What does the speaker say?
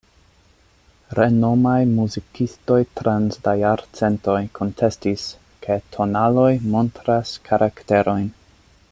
Renomaj muzikistoj trans la jarcentoj kontestis, ke tonaloj montras karakterojn.